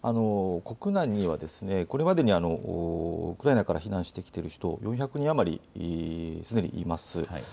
国内にはこれまでにウクライナから避難してきている人、４００人余りすでにいます。